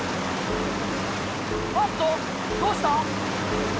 おっとどうした？